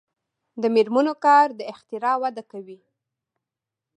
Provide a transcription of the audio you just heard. د میرمنو کار د اختراع وده کوي.